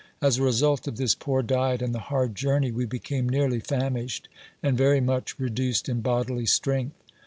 As a result of this poor diet aud the hard journey, we became nearly famished, and very much reduced in bodily strength.